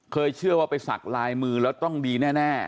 เชื่อว่าไปสักลายมือแล้วต้องดีแน่